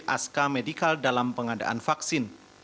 aska medikal dalam pengadaan vaksin